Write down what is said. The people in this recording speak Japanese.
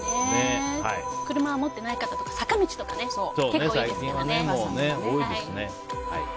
車、持ってない方とか坂道とか結構、いいですからね。